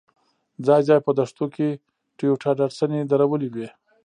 ځای ځای په دښتو کې ټویوټا ډاډسنې درولې وې.